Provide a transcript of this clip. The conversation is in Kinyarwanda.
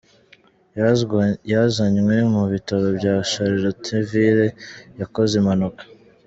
Yazanywe mu Bitaro bya Charletonville yakoze impanuka.